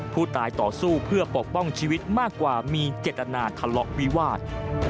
ต่อสู้เพื่อปกป้องชีวิตมากกว่ามีเจตนาทะเลาะวิวาส